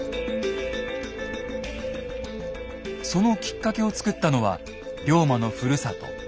そのきっかけを作ったのは龍馬のふるさと土佐藩。